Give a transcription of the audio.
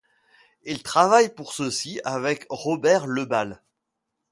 Il travaille pour ceci avec Robert Le Balle.